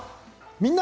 「みんな！